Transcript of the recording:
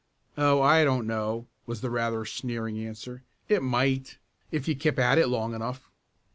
"Oh, I don't know," was the rather sneering answer. "It might, if you kept at it long enough."